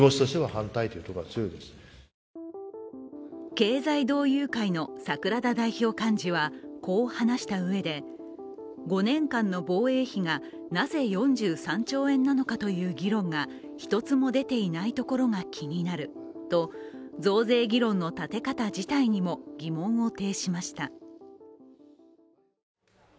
経済同友会の櫻田代表幹事はこう話したうえで５年間の防衛費がなぜ４３兆円なのかという議論が一つも出ていないところが気になると増税議論の立て方自体にも疑問を呈しました。